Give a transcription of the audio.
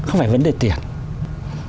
không phải vấn đề tiền